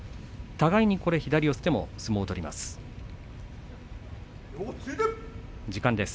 互いに左四つでも相撲を取ります。